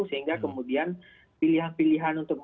sehingga kemudian pilihan pilihan untuk